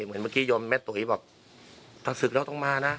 เหมือนเมื่อกี้ยมแม่ตุ๋ยบอกถ้าศึกแล้วต้องมานะ